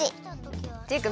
っていうか